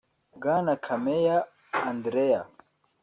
Bwana Kameya Andreya